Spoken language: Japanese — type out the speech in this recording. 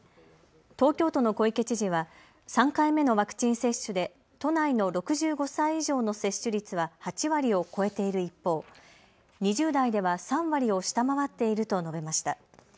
東京都の小池知事は３回目のワクチン接種で都内の６５歳以上の接種率は８割を超えている一方、２０代では３割を下回っていると述べました。